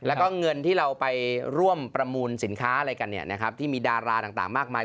แล้วก็เงินที่เราไปร่วมประมูลสินค้าอะไรกันที่มีดาราต่างมากมาย